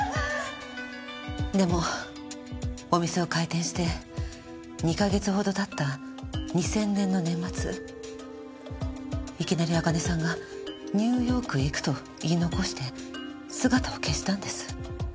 でもお店を開店して２カ月ほど経った２０００年の年末いきなり朱音さんがニューヨークへ行くと言い残して姿を消したんです。